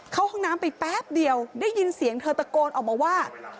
เข้าห้องน้ำไปแป๊บเดียวได้ยินเสียงเธอตะโกนออกมาว่า